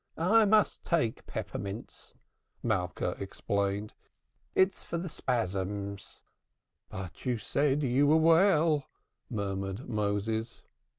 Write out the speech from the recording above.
"I must take peppermints," Malka explained. "It's for the spasms." "But you said you were well," murmured Moses.